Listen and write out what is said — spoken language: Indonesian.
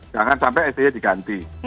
jangan sampai sti diganti